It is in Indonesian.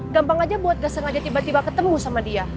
gampang aja buat gak sengaja tiba tiba ketemu sama dia